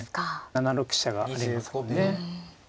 ７六飛車がありますからね。